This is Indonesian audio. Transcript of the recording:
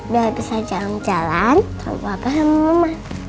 biar bisa jalan jalan kalau papa sama mama